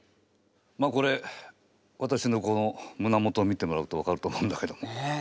まあこれわたしのこのむなもとを見てもらうと分かると思うんだけど。